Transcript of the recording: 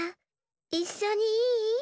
いっしょにいい？